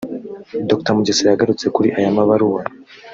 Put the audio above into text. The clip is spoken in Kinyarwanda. Dr Mugesera yanagarutse kuri aya mabaruwa